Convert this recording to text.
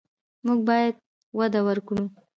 موږ باید وده ورکړو.